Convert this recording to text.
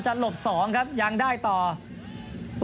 ส่วนที่สุดท้ายส่วนที่สุดท้าย